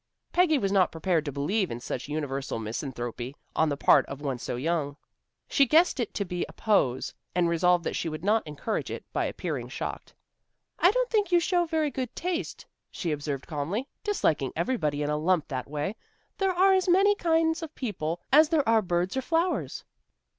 Peggy was not prepared to believe in such universal misanthropy on the part of one so young. She guessed it to be a pose, and resolved that she would not encourage it by appearing shocked. "I don't think you show very good taste," she observed calmly, "disliking everybody in a lump that way. There are as many kinds of people as there are birds or flowers."